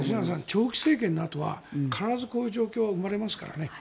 長期政権のあとは必ずこういう状況が生まれますからね。